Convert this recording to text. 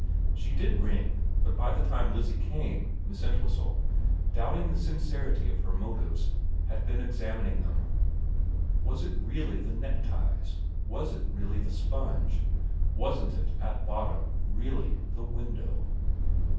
She did ring ; but by the time Lizzie came Miss Entwhistle, doubting the sincerity of her motives, had been examining them. Was it really the neckties ? Was it really the sponge ? Wasn't it, at bottom, really the window